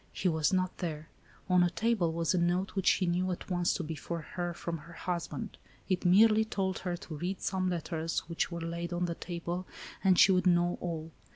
He was not there. On a table was a note, which she knew at once to be for her from her husband. It merely told her to read some letters, which were laid on the table, and she would know all.